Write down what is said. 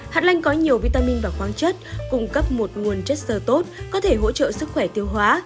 hạt lanh có nhiều vitamin và khoáng chất cung cấp một nguồn chất sơ tốt có thể hỗ trợ sức khỏe tiêu hóa